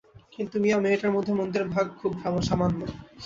কিন্তু মিয়া মেয়েটার মধ্যে মন্দের ভাগ খুব সামান্য।